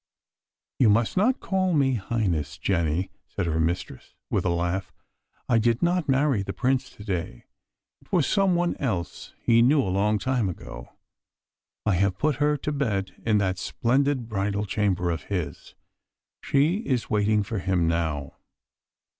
"You must not call me Highness, Jenny," said her mistress, with a laugh. "I did not marry the Prince to day. It was some one else he knew a long time ago. I have put her to bed in that splendid bridal chamber of his. She is waiting for him now."